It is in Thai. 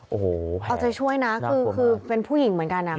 โอ้โหเอาใจช่วยนะคือเป็นผู้หญิงเหมือนกัน